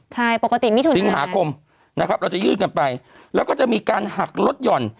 ใช่ปกติมิถุนสิงหาคมนะครับเราจะยื่นกันไปแล้วก็จะมีการหักลดหย่อน